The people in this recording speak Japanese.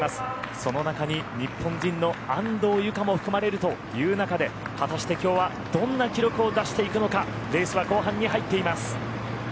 その中に日本人の安藤友香も含まれるという中で果たして、きょうはどんな記録を出していくのかレースは後半に入っています。